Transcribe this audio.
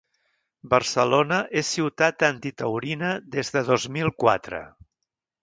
Barcelona és ciutat antitaurina des de dos mil quatre.